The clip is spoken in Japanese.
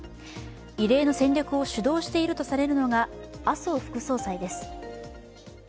異例の戦略を主導しているとされるのが麻生副総裁です。